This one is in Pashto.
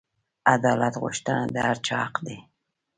عدالت غوښتنه د هر چا حق دی.